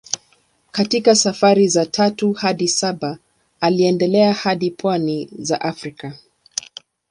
Katika safari za tatu hadi saba aliendelea hadi pwani za Afrika.